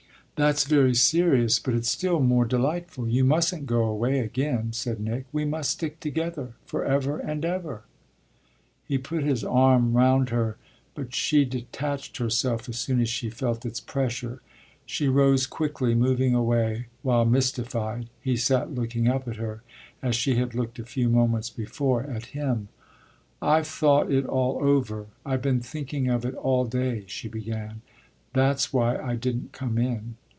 "That's very serious, but it's still more delightful. You mustn't go away again," said Nick. "We must stick together forever and ever." He put his arm round her, but she detached herself as soon as she felt its pressure. She rose quickly, moving away, while, mystified, he sat looking up at her as she had looked a few moments before at him. "I've thought it all over; I've been thinking of it all day," she began. "That's why I didn't come in."